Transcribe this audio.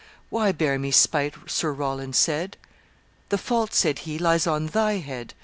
'Why bear me spite?' Sir Roland said. 'The fault,' said he, 'lies on thy head.